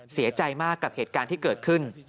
เสียใจมากกับเหตุการณ์ที่เกิดขึ้น